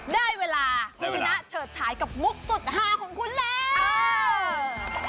ได้เวลาคุณชนะเฉิดฉายกับมุกสุดหาของคุณแล้ว